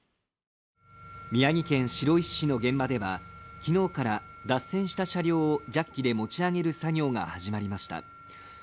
宮城県白石市の現場では、昨日から脱線した車両をジャッキで持ち上げる作業が始まりました。